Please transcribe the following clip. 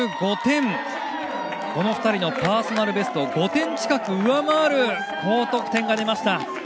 この２人のパーソナルベストを５点近く上回る高得点が出ました。